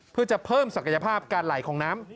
เพื่อจะเพิ่มศักยภาพการไหลของน้ำ